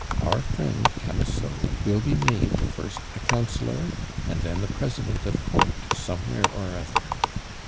Our friend Camusot will be made first a councillor, and then the President of Court somewhere or other.